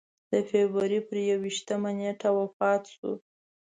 د فبروري پر یوویشتمه نېټه وفات شو.